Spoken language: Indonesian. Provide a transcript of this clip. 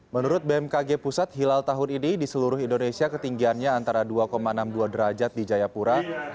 menurut bmkg pusat hilal tahun ini di seluruh indonesia ketinggiannya antara dua enam puluh dua derajat di jayapura